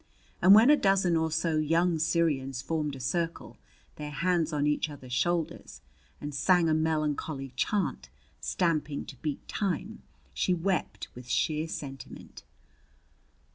And when a dozen or so young Syrians formed a circle, their hands on each other's shoulders, and sang a melancholy chant, stamping to beat time, she wept with sheer sentiment.